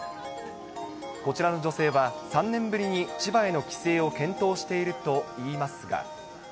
こちらの女性は、３年ぶりに千葉への帰省を検討しているといいますが。